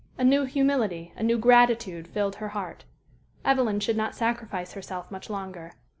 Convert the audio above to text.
A new humility, a new gratitude filled her heart. Evelyn should not sacrifice herself much longer.